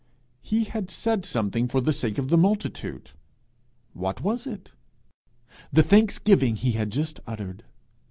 He had said something for the sake of the multitude; what was it? The thanksgiving he had just uttered.